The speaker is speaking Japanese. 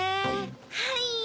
はい。